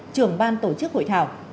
trưởng ban tổ chức hội thảo